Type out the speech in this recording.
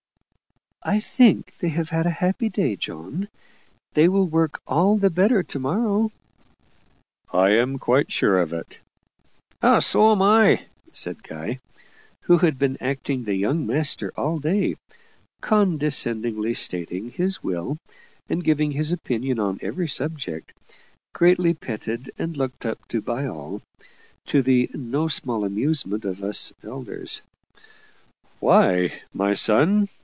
"I think they have had a happy day, John. They will work all the better to morrow." "I am quite sure of it." "So am I," said Guy, who had been acting the young master all day, condescendingly stating his will and giving his opinion on every subject, greatly petted and looked up to by all, to the no small amusement of us elders. "Why, my son?"